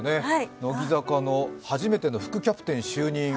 乃木坂の初めての副キャプテン就任。